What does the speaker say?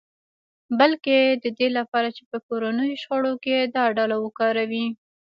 بلکې د دې لپاره چې په کورنیو شخړو کې دا ډله وکاروي